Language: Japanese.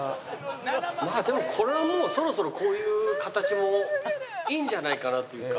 まあでもこれはもうそろそろこういう形もいいんじゃないかなというか。